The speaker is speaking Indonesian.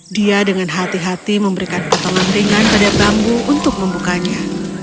dia dengan hati hati memberikan potongan ringan pada bambu untuk membukanya